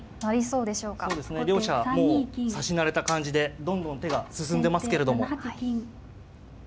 そうですね両者もう指し慣れた感じでどんどん手が進んでますけれども。